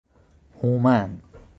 هومن